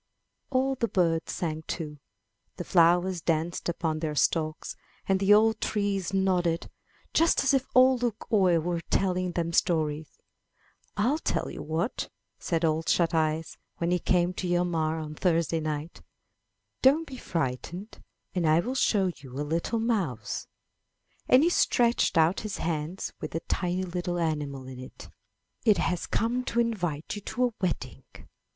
'* All the birds sang too, the flowers danced upon their stalks, and the old trees nodded, just as if Ole Luk oie were telling them stories. 'Til tell you what!" said Ole Shut eyes, when he came to Hjalmar on Thursday night, ''don't be frightened, and I will show you a little mouse." And he stretched out his hand with the tiny little animal in it. "It 137 MY BOOK HOUSE has come to invite you to a wedding.